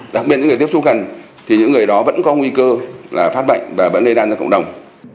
đặc biệt những người tiếp xúc gần thì những người đó vẫn có nguy cơ là phát bệnh và vẫn lây lan ra cộng đồng